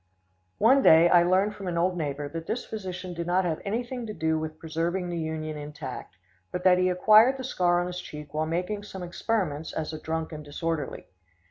One day I learned from an old neighbor that this physician did not have anything to do with preserving the Union intact, but that he acquired the scar on his cheek while making some experiments as a drunk and disorderly.